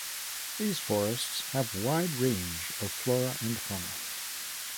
These forests have wide range of flora and fauna.